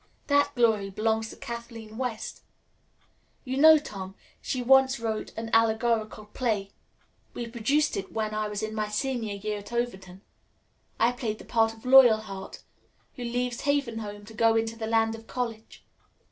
That glory belongs to Kathleen West. You know, Tom, she once wrote an allegorical play. We produced it when I was in my senior year at Overton. I played the part of Loyalheart who leaves Haven Home to go into the Land of College.